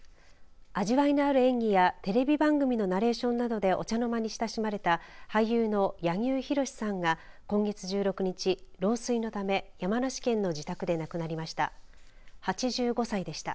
味わいのある演技やテレビ番組のナレーションなどでお茶の間に親しまれた俳優の柳生博さんが今月１６日老衰のため山梨県の自宅で亡くなりました。